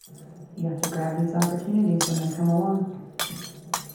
You have to grab these opportunities when they come along.